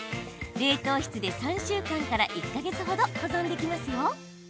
冷凍室で、３週間から１か月ほど保存できますよ。